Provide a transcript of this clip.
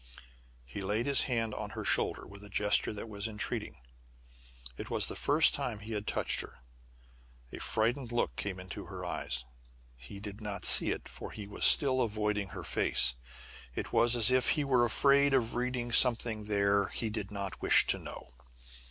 He laid his hand on her shoulder with a gesture that was entreating. It was the first time he had touched her. A frightened look came into her eyes. He did not see it, for he was still avoiding her face. It was as if he were afraid of reading something there he did not wish to know.